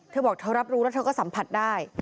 เธอบอกเธอรับรู้แล้วเธอก็สัมผัสได้